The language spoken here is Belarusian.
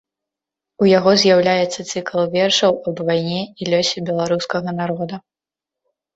У яго з'яўляецца цыкл вершаў аб вайне і лёсе беларускага народа.